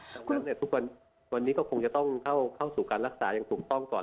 ดังนั้นทุกวันนี้ก็คงจะต้องเข้าสู่การรักษาอย่างถูกต้องก่อน